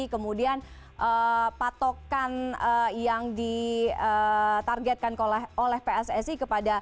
kemudian patokan yang ditargetkan oleh pssi kepada